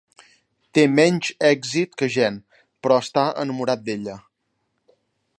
Té menys èxit que Jen, però està enamorat d'ella.